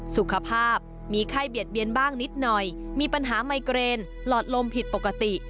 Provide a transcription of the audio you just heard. สุขภาพมีไข้เบียดเบียนบ้างนิดหน่อยมีปัญหาไมเกรนหลอดลมผิดปกติ